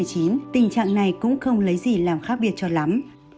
tình trạng này cũng không lấy gì làm khác biệt cho lắm